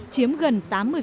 chiếm gần tám mươi